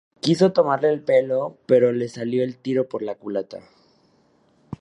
Quiso tomarle el pelo pero le salió el tiro por la culata